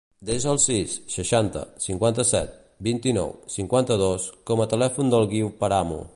Desa el sis, seixanta, cinquanta-set, vint-i-nou, cinquanta-dos com a telèfon del Guiu Paramo.